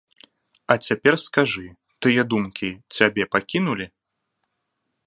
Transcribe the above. А цяпер скажы, тыя думкі цябе пакінулі?